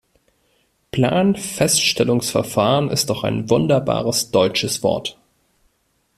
Planfeststellungsverfahren ist doch ein wunderbares deutsches Wort.